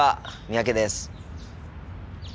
三宅です。